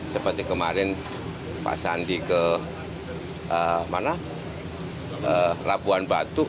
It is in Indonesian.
seperti kemarin pak sandi ke rabuan batu